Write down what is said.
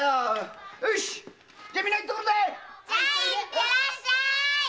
ちゃん行ってらっしゃい！